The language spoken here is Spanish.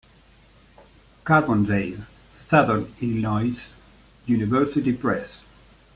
Carbondale, Southern Illinois University Press